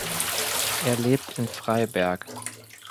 Er lebt in Freiberg.